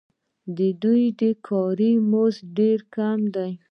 د دوی کاري مزد ډېر کم دی